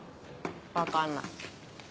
分かんない。